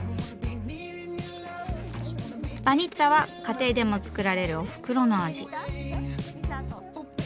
バニッツァは家庭でも作られるおふくろの味。